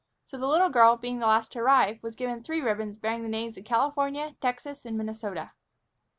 So the little girl, being the last to arrive, was given three ribbons bearing the names of California, Texas, and Minnesota.